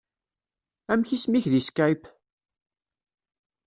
Amek isem-ik deg Skype?